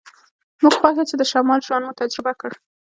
موږ خوښ یو چې د شمال ژوند مو تجربه کړ